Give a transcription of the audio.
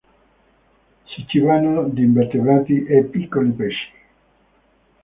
Si cibano di invertebrati e piccoli pesci.